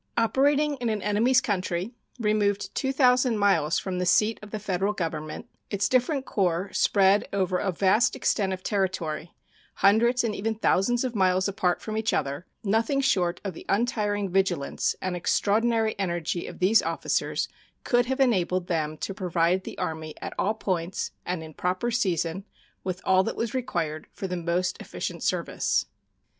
Operating in an enemy's country, removed 2,000 miles from the seat of the Federal Government, its different corps spread over a vast extent of territory, hundreds and even thousands of miles apart from each other, nothing short of the untiring vigilance and extraordinary energy of these officers could have enabled them to provide the Army at all points and in proper season with all that was required for the most efficient service.